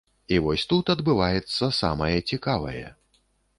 І вось тут адбывацца самае цікавае.